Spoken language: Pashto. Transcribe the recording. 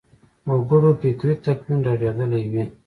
وګړو فکري تکوین رغېدلی وي.